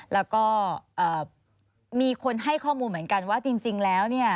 แล้วก็มีคนให้ข้อมูลเหมือนกันว่าจริงแล้วเนี่ย